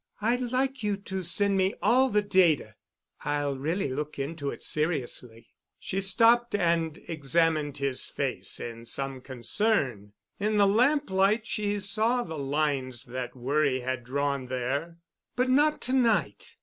I'd like you to send me all the data. I'll really look into it seriously." She stopped and examined his face in some concern. In the lamplight she saw the lines that worry had drawn there. "But not to night.